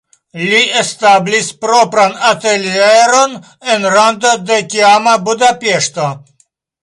Li establis propran atelieron en rando de tiama Budapeŝto.